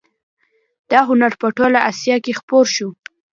دا هنر په ټوله اسیا کې خپور شو